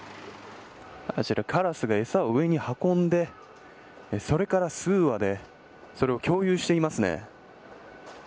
あちら、カラスが餌を上に運んでそれから数羽でそれを共有していますね。